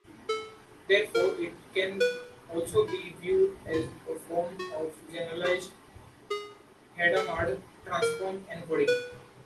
Therefore, it can also be viewed as a form of generalized Hadamard transform encoding.